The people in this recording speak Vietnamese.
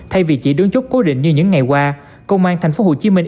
thay vị trí đứng chốt cố định như những ngày qua công an thành phố hồ chí minh